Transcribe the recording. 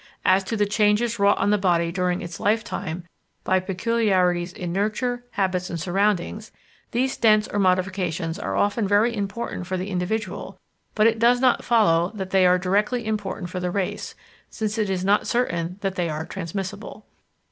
As to the changes wrought on the body during its lifetime by peculiarities in nurture, habits, and surroundings, these dents or modifications are often very important for the individual, but it does not follow that they are directly important for the race, since it is not certain that they are transmissible.